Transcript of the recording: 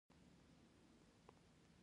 دوؤ کالو پورې ئې